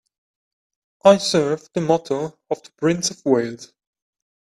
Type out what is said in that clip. I serve the motto of the Prince of Wales